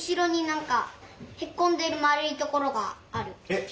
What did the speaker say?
えっ？